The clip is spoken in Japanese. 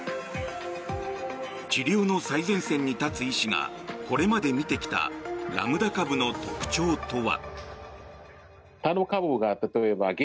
治療の最前線に立つ医師がこれまでに見てきたラムダ株の特徴とは。